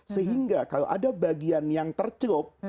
sehingga kalau ada bagian yang tercelup